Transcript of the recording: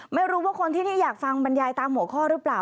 ไม่รู้ว่าคนที่นี่อยากฟังบรรยายตามหัวข้อหรือเปล่า